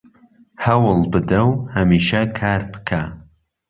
هەوڵ بدە و هەمیشە کار بکە